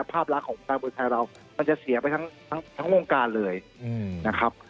ภาพลักษณ์ของการเมืองไทยเรามันจะเสียไปทั้งวงการเลยนะครับ